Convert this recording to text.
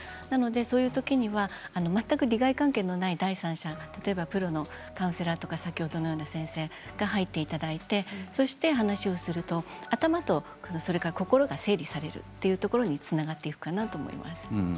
そういうときには全く利害関係のない第三者、例えばプロのカウンセラーとか先ほどのような先生に入っていただいてお話をすると頭と心が整理されるということにつながると思います。